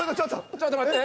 ちょっと待って。